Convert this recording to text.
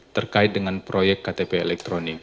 terkait dengan proyek ktp elektronik